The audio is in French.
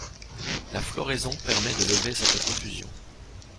La floraison permet de lever cette confusion.